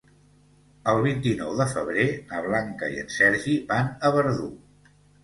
El vint-i-nou de febrer na Blanca i en Sergi van a Verdú.